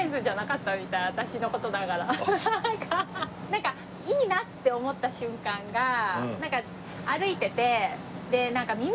なんかいいなって思った瞬間が歩いてて。